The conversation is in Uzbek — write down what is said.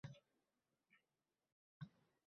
Maktab kutubxonachilari uchun ham foyda.